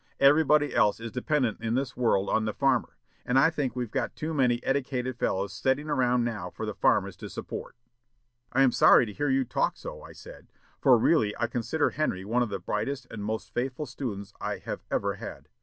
Everybody else is dependent in this world on the farmer, and I think that we've got too many eddicated fellows setting around now for the farmers to support.' "'I am sorry to hear you talk so,' I said; 'for really I consider Henry one of the brightest and most faithful students I have ever had.